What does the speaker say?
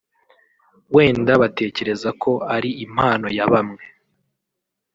wenda batekereza ko ari impano ya bamwe